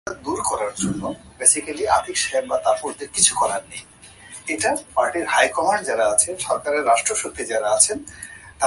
সিডনিতে একটি জৈন সমাজ গঠিত হয়েছে।